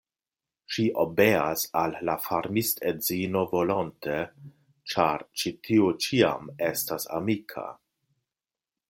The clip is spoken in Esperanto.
Ŝi obeas al la farmistedzino volonte, ĉar ĉi tiu ĉiam estas amika.